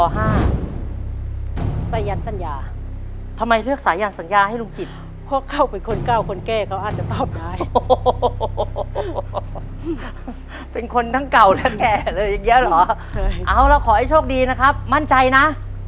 โหเป็นคนทั้งเก่าและแก่เลยอย่างเงี้ยหรอเอาแล้วขอให้โชคดีนะครับมั่นใจนะ